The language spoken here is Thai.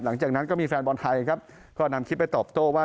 หลังจากนั้นก็มีแฟนบอลไทยครับก็นำคลิปไปตอบโต้ว่า